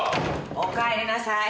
おかえりなさい。